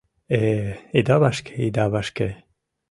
— Э-э, ида вашке, ида вашке.